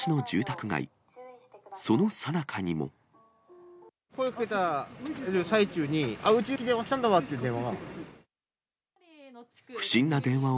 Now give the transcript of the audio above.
声をかけた最中に、うちにも電話来たんだわっていう電話が。